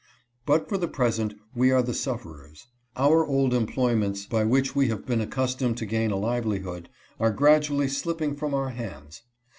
But for the present we are the sufferers. Our old employments by which we have been accustomed to gain a livelihood are gradually slipping from our hands.